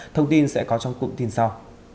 thông tin sẽ có trong cụm tin sau